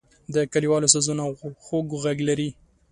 د کلیوالو سازونه خوږ غږ لري.